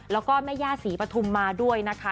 แล้วก็แม่ย่าศรีปฐุมมาด้วยนะคะ